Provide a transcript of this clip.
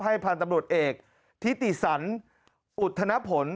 พันธุ์ตำรวจเอกทิติสันอุทธนผล